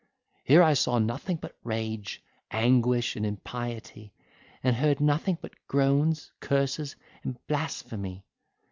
Here I saw nothing but rage, anguish and impiety, and heard nothing but groans, curses, and blasphemy.